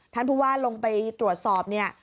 ท่านผู้ว่าลงไปตรวจสอบเนี่ย